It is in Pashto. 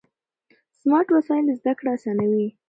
سمارټ وسایل زده کړه اسانوي.